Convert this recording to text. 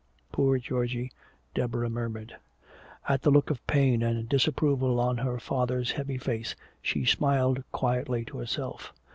"Poor Georgie," Deborah murmured. At the look of pain and disapproval on her father's heavy face, she smiled quietly to herself.